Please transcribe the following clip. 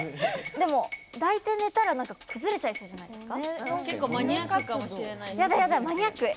でも、抱いて寝たらくずれちゃいそうじゃないですか。